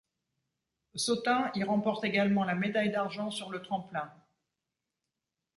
Sautin y remporte également la médaille d'argent sur le tremplin.